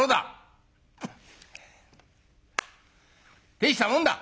「大したもんだ！」。